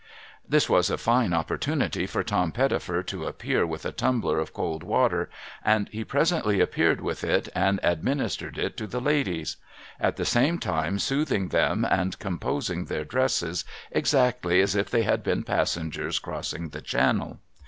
This was a fine opportunity for Tom Pettifer to appear with a tumbler of cold water, and he presently appeared with it, and administered it to the ladies ; at the same time soothing them, and composing their dresses, exactly as if they had been passengers crossing the Channel.